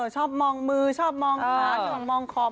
ชอบมองมือชอบมองขาชอบมองคอม